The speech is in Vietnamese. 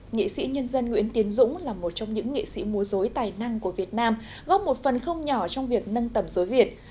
nghệ sĩ nhân dân nguyễn tiến dũng là một trong những nghệ sĩ múa dối tài năng của việt nam góp một phần không nhỏ trong việc nâng tầm dối việt